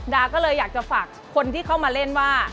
ดาก็เลยอยากจะฝากคนที่เข้ามาเล่นว่า